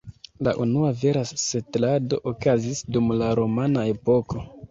La unua vera setlado okazis dum la romana epoko.